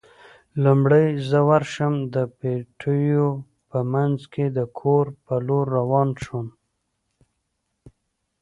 لومړی زه ورشم، د پټیو په منځ کې د کور په لور روان شوم.